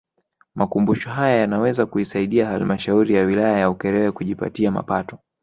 Makumbusho haya yanaweza kuisaidia Halmashauri ya Wilaya ya Ukerewe kujipatia mapato